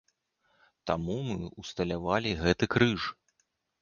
Таму мы ўсталявалі гэты крыж.